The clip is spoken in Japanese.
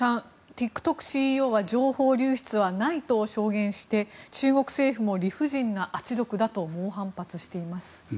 ＴｉｋＴｏｋＣＥＯは情報流出はないと証言して中国政府も理不尽な圧力だと猛反発しています。